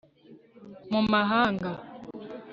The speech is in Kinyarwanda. mu mahanga '